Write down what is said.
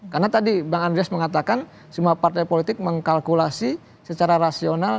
karena tadi bang andreas mengatakan semua partai politik mengkalkulasi secara rasional